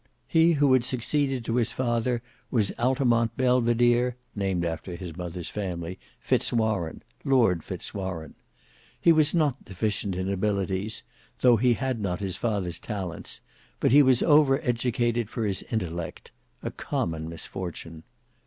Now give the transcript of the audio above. He who had succeeded to his father was Altamont Belvidere (named after his mother's family) Fitz Warene, Lord Fitz Warene. He was not deficient in abilities, though he had not his father's talents, but he was over educated for his intellect; a common misfortune.